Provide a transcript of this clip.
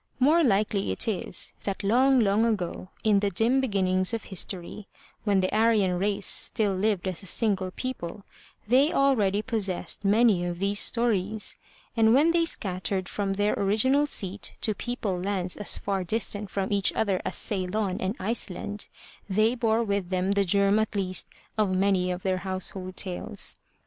More likely it is that long, long ago in the dim beginnings of history, when the Aryan race still lived as a single people, they already possessed many of these stories, and when they scattered from their original seat to people lands as far dis tant from each other as Ceylon and Iceland, they bore with them the germ at least of many of their household tales.